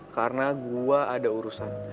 karena gue ada urusan